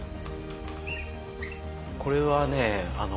これはね